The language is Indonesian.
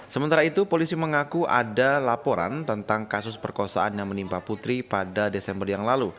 sementara itu polisi mengaku ada laporan tentang kasus perkosaan yang menimpa putri pada desember yang lalu